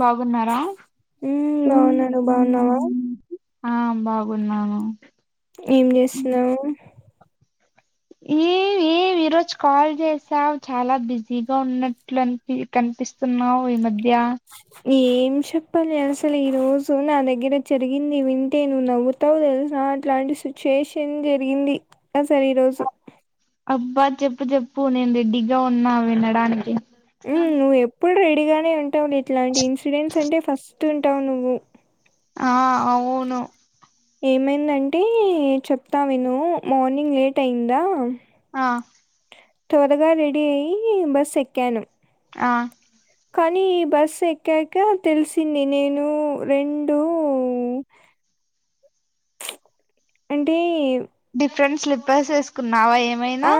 బాగున్నారా హ బాగున్నా నువు బాగున్నావా ఆ బాగున్నాను ఏం చేస్తున్నావు ఏ ఏమి ఈ రోజు కాల్ చేసావు చాలా బిజీగా ఉన్నట్లు అనిపి కనిపిస్తున్నావు ఈ మధ్య ద్యా ఏం చెప్పాలి అసలు ఈ రోజు నా దగ్గర జరిగింది వింటే నువ్వు నవ్వుతావు తెలుస అట్లాంటి సిచ్యుయేషన్ జరిగింది అసలు ఈ రోజు అబ్బా చెప్పు చెప్పు నేను రెడీగా ఉన్నా వినడానికి హ నువ్ ఎప్పుడు రీ రెడీగానే ఉంటావ్ ఇట్లాంటి ఇన్సిడెంట్స్ అంటే ఫస్ట్ చెప్తుంటావు నువ్వు ఆ అవును ఏమైందంటే చెప్తా విను మార్నింగ్ లేట్ అయిందా ఆ తోరగా రెడీ అయి బస్ ఎక్కాను ఆ కానీ బస్సు ఎక్కాక తెలిసింది డిఫరెంట్ స్లిపర్స్ వేసుకున్నా నావా ఆ! ఏమైనా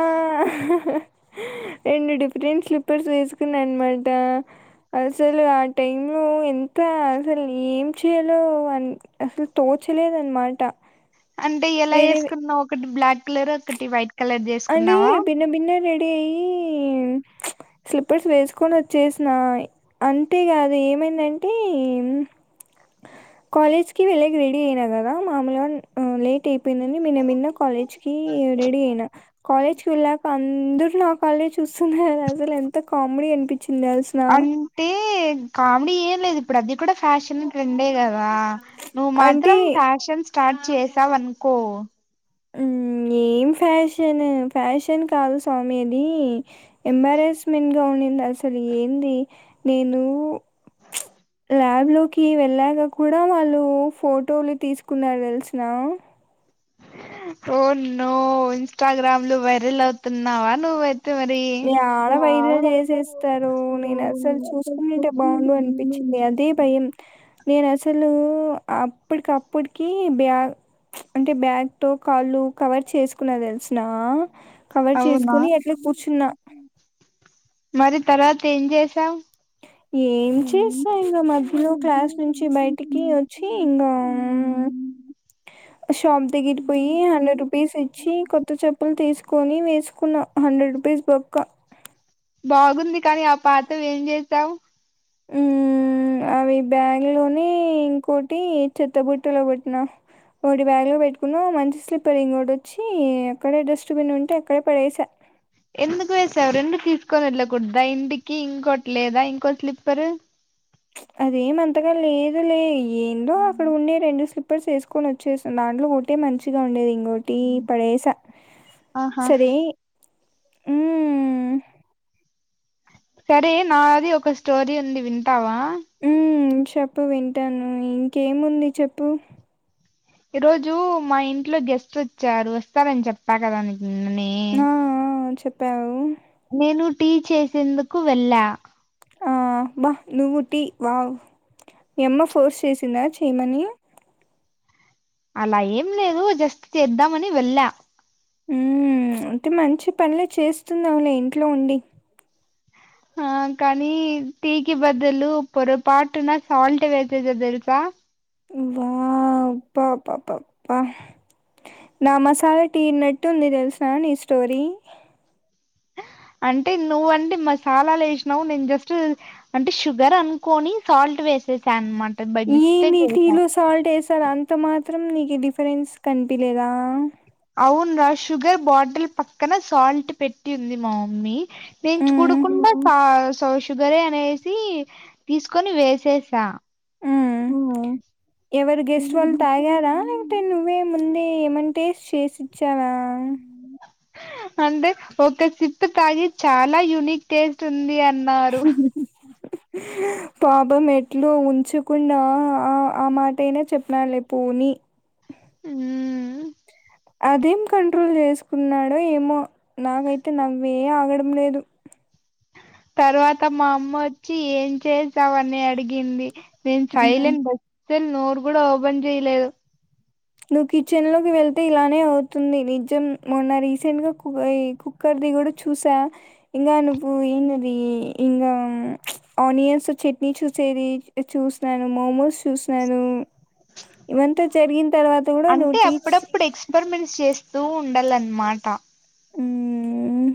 రెండు డిఫరెంట్ స్లిప్పర్స్ వేసుకున్నా అనమాట అసలు ఆ టైమ్లో ఎంత త అసలు చలో అ అసలు తోచలేదనమాట అంటే ఎలా వేరేవి వేసుకున్నావ్ ఒకటి బ్లాక్ కలర్ ఒకటి వైట్ కలర్ అంటే చేసుకున్నావా బిన్న బిన్న రె అయ్యి స్లిప్పర్స్ వేసుకొని వచ్చేసిన అంటే ఇగ అదేమైందంటే కాలేజ్ కి వెళ్ళాకా రెడీ అయిన కదా మామూలుగా లేట్ అయిపోయిందని మెల్ల మెల్లగా కాలేజ్ కి రెడీ అయిన కాలేజ్కి వెళ్ళాక అందరు నా కాళ్ళే చూస్తున్నారు అసలు ఎంత కామెడీ అనిపించి అంటే కామెడీ ఏం లేదు ఇప్పుడు అది కూడా ఫ్యాషన్ ట్రెండే కదా ఆ నువ్ అంటే మాత్రం ఫ్యాషన్స్ స్టార్ట్ చేసా వన్కో ఏం ఫ్యాషన్ ఫ్యాషన్ కాదు స్వామి అది ఎంబారెస్మెంట్ గా ఉంది అసలు ఏంది నేనూ ల్యాబ్ లో కి వెళ్ళాక కూడా వాళ్ళు ఫోటోలు తీసుకున్నారు తెలుసునా ఓ నో ఇన్స్టాగ్రామ్లు వైరల్ అవుతున్నావా నువ్వు ఏడ వైరల్ చేసేస్తారు నేను అసలు చూసుకుంటంటే బాగుండు అనిపించింది అదే భయం నేను అసలు అప్పటికప్పటికి బ్యాగ్ అంటే బ్యాగ్తో కాళ్ళు కవర్ చేసుకున్న తెలుసునా కవర్ అవునా చేసుకుని అట్లా కు మరి తర్వాత ఏం చేసాం ఏం చేస్తా ఇంక మధ్యలో క్లాస్ నుంచి బయటికి వచ్చి ఇంకా షాప్ దగ్గిరి పోయి హండ్రెడ్ రూపీస్ ఇచ్చి కొత్త చెప్పులు తీసుకు కొని వేసుకున్నా హండ్రెడ్ రూపీస్ బొక్కా బాగుంది కానీ ఆ పాతవి ఏం చేసావు అవి బ్యాగ్ లోనే ఇంకోటి చెత్తబుట్టలో పెట్టిన వాటి బ్యాగ్ లో పెట్టుకున్నా మంచి స్లిప్పర్ ఇంకోటి వచ్చి ఎక్కడే డస్ట్బిన్ ఉంటే అక్కడే పడేసా ఎందుకు వేసావు రెండు తీసుకొని వెళ్కూడదా ఇంటికి ఇంకోటి లేదా ఇంకో స్లిప్పరు అదేమంతగా లేదు లే ఏందో అక్కడ ఉండ రెండు స్లిప్ స్లిప్పర్స్ వేసుకొని వచ్చేసా దాంట్లో ఒకటే మంచిగా ఉండేది ఇంకా టీ పడేస ఆహా సరే హ్మ్మ్ సరే నాది ఒక స్టోరీ ఉంది వింటావా ఉ చెప్పు వింటాను ఇంకేముంది చెప్పు ఈ రోజు మా ఇంట్లో గెస్ట్ వచ్చారు వస్తారని చెప్పా కదా నీకు నిన్ననే ఆ చెప్ప పవు నేను టీ చేసేందుకు వెళ్ళా ఆ నువ్వు టీ వావ్ మీ అమ్మ ఫోర్స్ చేసిందా చేయమని అలా ఏం లేదు జస్ట్ చేద్దామని వెళ్ళా ఉ అంటే మంచి పనులే చేస్తునావులే ఇంట్లో ఉండి ఆ కానీ టీకి బదులు పొర పాటున సాల్ట్ వేసేస తెలుసా వా పా పా పా పా నా మసాలా టీనట్టు ఉంది తెలసిన నీ స్టోరీ అంటే నువ్వండి మసాలాలు వేసినావు నేను జస్ట్ అంటే షుగర్ అనుకోని సాల్ట్ వేసేసాను అనమాట బై ఈ మిస్టేక్ నీ వేసా టీలో సాల్ట్ వేసారు అంత మాత్రం నీకు డిఫరెన్స్ కంట పిలేదా అవున రా షుగర్ బాటిల్ పక్కన సాల్ట్ పెట్టి ఉంది మా మమ్మీ నేను మ్మ్, చూడకుండా సౌ షుగరే అనేసి తీసుకొని వేసేసా ఉ మ్మ్ ఎవరు గెస్ట్ వాల్ తాగ్యారా లేతే నువ్వే ముందే ఏమం టేస్ట్ చేసి ఇచ్చాన అంటే ఒక సిప్పు తాగి చాలా యూనిక్ టేస్ట్ ఉంది అన్ న్నారుహ్ హ్ పాపం ఎట్లు ఉంచుకుండా ఆ అ మాటైనా చెప్పిన్లే పోని మ్మ్ అదేం కంట్రోల్ చేస్కున్నాడో ఏమో నాకైతే నవ్వే ఆగడం లేదు తర్వాత మా అమ్మ ఒచ్చి ఎంటే చేసావనె అడిగింది ఏన్ మ్మ్. సైలెంట్ బ స్ నోరు గుడా ఓబన్ చేయలేదు నువ్వు కిచెన్ లోకి వెళ్తే ఇలానే అవుతుంది నిజం మొన్న రీసెంట్గా ఇ కు ఈ కుక్కర్ది గుడా చూసా ఇంగ నువ్వు ఏంటిది ఇంగ ఆనియన్స్ చట్నీ చూసేది చూస్నాను, మమోస్ చూస్నాను ఇవంతా జరిగిం అంటె అప్పుడప్పుడు ఎక్స్పర్మెంట్స్ చేస్ తు ఉండాలన్మాట ఊమ్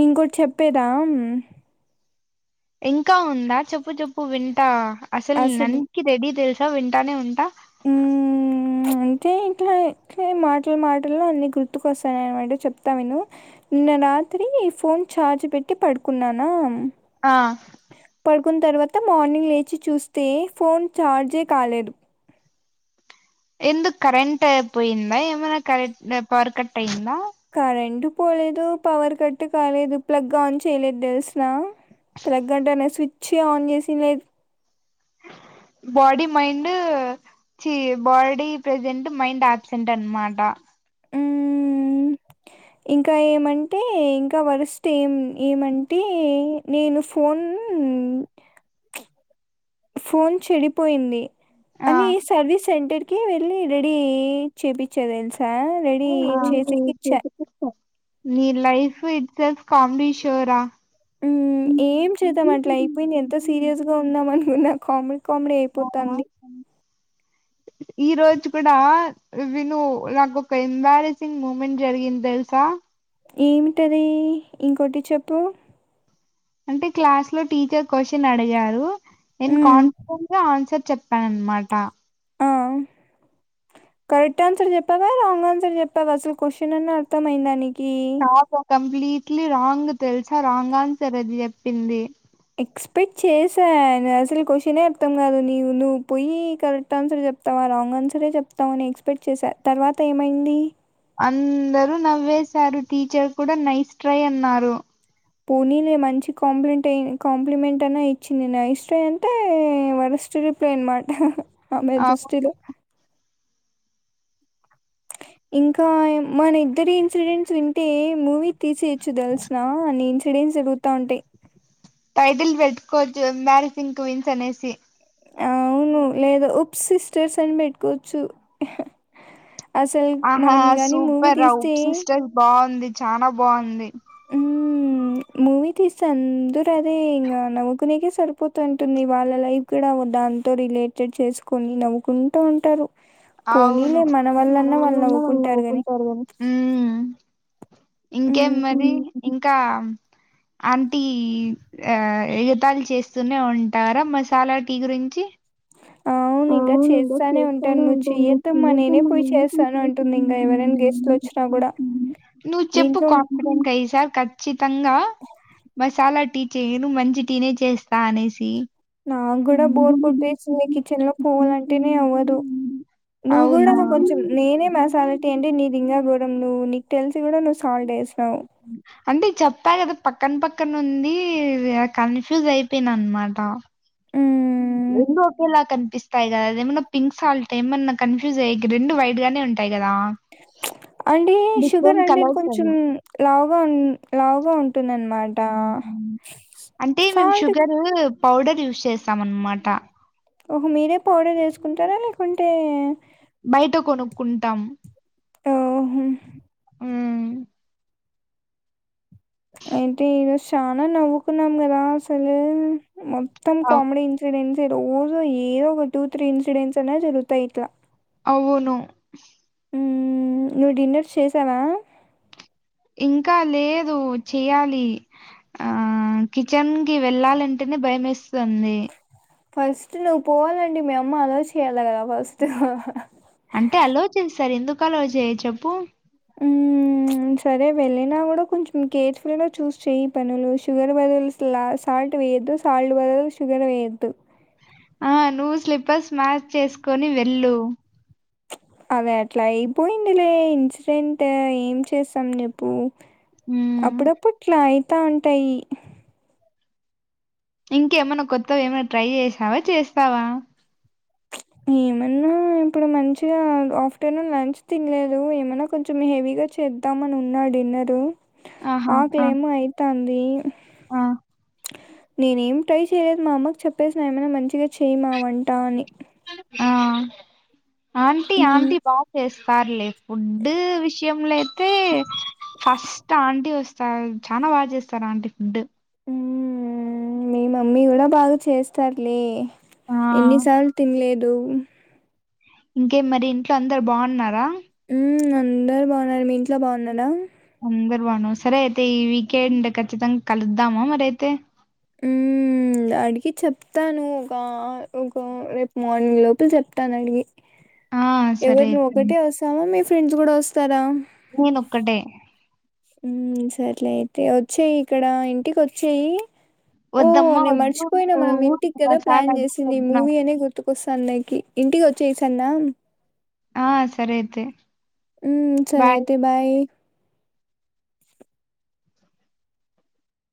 ఇంకోట్ చెప్పేదా ఇంకా ఉందా చెప్పుచెప్పు వింటా అసల్ నన్కి రెడీ తెల్ వింటానే ఉంట ఊమ్ అంటే ఇట్ల ఇ మాటల మాటల్లో అన్ని గుర్తుకొస్తాయ అన్మాట చెప్తా విను నిన్న రాత్రీ ఫోన్ చార్జ్ పెట్టి పడుకున్నానా ఆ కున్తర్వాత మార్నింగ్ లేచి చూస్తే ఫోన్ ఛార్జే కాలేద్ ఎందుక్ కరెంట్ పోయిందా ఏమైనా కరెంట్ పవర్ కట్ అయింద కరెంట్ పోలేదు పవర్ కట్ కాలేదు ప్లగ్ ఆన్ చేయలేదు తెల్స్ నా ప్లగ్ అంటేనే స్విచ్ ఆన్ చేసి లేద్ బాడీ మైండ్ ఛీ బాడీ ప్రెజెంట్ మైండ్ ఆబ్సెంట్ అన్మాట ఊమ్ ఇంకా ఏమంటే ఇంక వరస్ట్ ఏం ఏమంటే నేను ఫోన్ ఫోన్ చెడిపోయింది ఆ అనీ సర్విస్ సెంటర్ కి వెళ్ళి రెడీ అయి చేపిచ్చేన్ ని లైఫ్ ఇట్సే కామ్డిషోరా ఉమ్ ఏం చేద్దాం అట్ల ఐపోయినా ఎంత సీరియస్గా ఉద్దాం అనుకున్నా కామ్డీ కామ్డీ ఐపోతాంది ఈ రోజు కూడా విను నాకు ఒక ఎంబారెసింగ్ మూమెంట్ జరిగింద్ తెల్సా ఏమిటది ఇంకోటి చెప్పు అంటే క్లాస్లో టీచర్ కోషన్ అడిగారు న్ హ్మ్. కాన్ఫ గ ఆన్సర్ చెప్ పనన్మాటా హ కరెక్ట్ ఆన్సర్ చెప్పావా రాంగ్ ఆన్సర్ చెప్పావా అసలు కోషన్ అన్నా అర్థంమయిందా నీ కీ కాదు కంప్లీట్లీ రాంగ్ తెలుసా రాంగ్ ఆన్సర్ అది చెప్పింది ఎక్స్పెక్ట్ చేసా అసలు క్వశ్చనే అర్థం కాదు నవ్వు నువ్వు పోయి కరెక్ట్ ఆన్సర్ చెప్తావా రాంగ్ ఆన్సరే చెప్తావని ఎక్స్పెక్ట్ చేసా తర్వాత ఏమైంది అందరూ నవ్వేశారు టీచర్ కూడా నైస్ ట్రై అన్నారు పోనీలే మంచి కాంపిమెంట్ అ కాంప్లిమెంట్ అన్నా ఇచ్చింది నైస్ ట్రై అంటే వరస్ట్ రిప్లై అనమాట ఆమెే అవును దృష్టిలో ఇంకా మన ఇద్దరి ఇన్సిడెంట్స్ వింటే మూవీ తీసేచ్చు తెలుసునా సిడన్స్ జారుగుతూ ఉంటాయి టైటిల్ పెట్టుకోవచ్చు ఎంబ్రాసింగ్ క్వీన్స్ అనేసి ఆ అవును లేదా ఉప్సిస్ టర్స్ అని పెట్టుకోవచ్చు అసలు ఆహా మనం గాని మూవీ సూపర్ రావు తీస్తే సిస్టర్స్ బాగుంది చాల బాగుంది మ్మ్ మూవీ తీసే అందరు అదే ఇంకా నవ్వుకునేకే సరిపోతుంటుంది వాళ్ళ లైఫ్ కూడా దాంతో రిలేటెడ్ చేసుకొని నవ్వుకుంటూ ఉంటారు అవును పోనీలే మన వల్ల అన్న వాళ్ళు నవ్వుకుంటారు కదా మ్మ్ ఇంకేం మరి ఇం ఇంకా ఆంటి ఆ ఎగతాలీ చేస్తూనే ఉంటారా మసాలా టీ గురించి అవును ఇంకా అవును చేస్తానే ఉంటాను చేస్తాను నువ్వు అంటమ్ చెయ్యొద్దమ్మా నేనే పోయి చేస్తాను అంటుంది ఇంకా ఎవరైనా గెస్ట్లు వచ్చినా కూడా నువ్వు మీ చెప్పు ఇంట్లో కంప్లైంట్ ఈసారి కచ్చి తంగా మసాలా టీ చేయను మంచి టీనే చేస్తా అనేసి నాకు కూడా బోర్ కొట్టేసింది కిచెన్ లో పోవాలంటేనే అవ్వదు నువ్వు కూడా అవునా కొంచెం నేనే మాసాలటి అంటే నీ లింగాగూరం నువ్వు నీకు తెలిసి కూడా నువ్వు సాల్ట్ వేసీనావ్ అంటే చెప్పా కదా పక్కన పక్కన ఉంది కన్ఫ్యూజ్ అయిపోయిన అనమాట మ్మ్. రెండు ఒకేలా కనిపిస్తాయి కదా అది ఏమన్నా పింక్ సాల్ట్ ఏమన్నా కన్ఫ్యూజ్ అయ రెండు వైట్ గానే ఉంటాయి కదా అంటే షుగర్ డిఫరెంట్ అంటేది కలర్స్ కొంచెం అవి లావుగా ఉ లావుగా ఉంటుందన్నమాట మ్మ్ హ్మ్ అంటే మేము సాల్ట్ షుగరు పౌడర్ యూస్ చేస్తాం అన్నమాట ఓహో మీరే పౌడర్ వేసుకుంటారా లేకుంటే టే బయట కొనుక్కుంటాం ఓహో మ్మ్ అయితే ఈరోజు చాలా నవ్వుకున్నాం కదా అసలు మొత్తం అవ్- కమెడి ఇన్సిడెంట్ రోజో ఏదో ఒక టూ త్రీ ఇన్సిడెంట్స్ అన్నా జరుగుతాయిట్లా అవును నువ్వు డిన్నర్ చేసారా ఇంకా లేదు చెయ్యాలి ఆ కిచెన్ కి వెళ్ళాలంటేనే భయం ఎస్తుందండి ఫస్ట్ నువ్వు పోవాలండి మీ అమ్మ అలో చేయాలి కదా ఫస్ట్ అంటే ఆలోచిస్తారు ఎందుకు అలోచేయరు చెప్పు సరే వెళ్ళినా కూడా కొంచెం కేర్ఫుల్గా చూస్ చేయ్ పనులు షుగర్ బదులులా సాల్ట్ వేయద్దు సాల్ట్ బదులు షుగర్ వేయద్దు ఆ నువ్వు స్లిపర్స్ మ్యాచ్ చేసుకొని వెళ్ళు అదే అట్లా అయిపోయింది లే ఇన్సిడెంట్ ఏం చేసాం చెప్పు ఉమ్. అప్పుడ పట్లా చెతా ఉంటాయి ఇంకేమైన్నా కొత్తవ ఏమైనా ట్రై చేసావా చేస్తావా ఏమన్నా ఇప్పుడు మంచిగా ఆఫ్టర్నూన్ లంచ్ తినలేదు ఏమన్నా కొంచెం హెవీగా చేద్దామని ఉన్నా డిన్నర్ ఆహా! ఆ! ఆకలేమో అయితాంది ఈ ఆ! ట్రై చేయలేదు మా అమ్మకు చెప్పేసిన ఏమైనా మంచిగా చెయ్ మా వంటా అని ఆ ఆంటీ హ్మ్, ఆంటీ బాగా చేస్త పార్లే ఫుడ్ విషయంలో అయితే ఫస్ట్ ఆంటీ వస్తు చ చానా బాగా చేస్తారుా అంటి ఫుడ్ మీ మమ్మీ కూడా బాగా చేస్తారులే ఆ! ఎన్ని సార్లు తినలేద్ దు ఇంకే మరి ఇంట్లో అందరు బాగున్నారా ఉ అందరు బాగున్నారు మీ ఇంట్లో బాగున్నడా అందరు బాను సరే అయితే ఈ వీకెండ్ ఖచ్చితంగా కలుద్దామా మరి అయితే ఉ అడిగి చెప్తాను ఒక ఒక రేపు మార్నింగ్ లోపల చెప్తాను అడిగి ఆ! సరే ఎవరు అయితే. ఒకటే వస్తామా మీ ఫ్రెండ్స్ కూడా వస్తారా నీనొక్కటే ఉ సర్లే అయితే వచ్చేయి ఇక్కడ ఇంటికి వచ్చేయి ఓ వద్దమ్మా నేను వద్దు మర్చిపోయినా నువ్వు మనం ఇంటికి ఊరు కదా మసాలా ప్లాన్ వద్దు చేసింది ఈ వద్దు నాకు. మూవీ అనే గుర్తుకొస్తాను న ఇంటికి వచ్చేయి సరెన ఆ సరే అయితే ఉమ్ సరే అయితే బాయ్